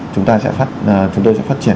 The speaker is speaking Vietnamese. chúng tôi sẽ phát triển